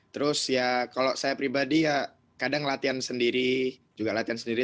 terus ya kalau saya pribadi ya kadang latihan sendiri juga latihan sendiri